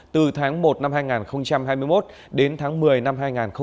từ tháng một năm hai nghìn hai mươi một đến tháng một mươi năm hai nghìn hai mươi ba